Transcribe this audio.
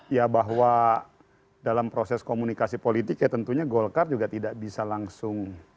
ya bahwa dalam proses komunikasi politik ya tentunya golkar juga tidak bisa langsung